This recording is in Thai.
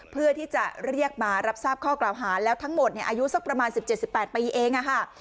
เพื่อที่จะเรียกมารับทราบข้อกล่าวหาแล้วทั้งหมดอายุสักประมาณ๑๗๑๘ปีเองค่ะ